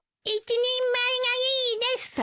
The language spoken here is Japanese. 一人前がいいです！